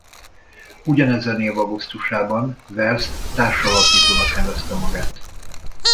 Ugyanezen év augusztusában Wales társalapítónak nevezte magát.